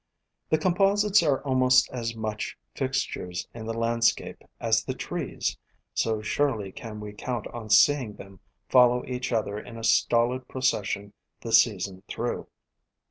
The composites are almost as much fixtures in the landscape as the trees, so surely can we count on seeing them follow each other in a stolid procession the season through.